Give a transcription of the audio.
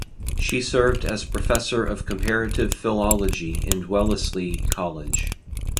She served as professor of comparative philology in Wellesley College.